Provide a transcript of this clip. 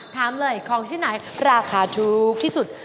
ถามเลยของที่ไหนราคาถูกที่สุด